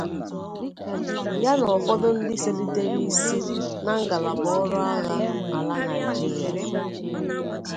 ya na ụfọdụ ndị selitere isi na ngalaba ọrụ agha ala Nigeria